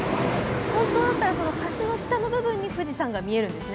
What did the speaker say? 本当だったら橋の下の部分に富士山が見えるんですね。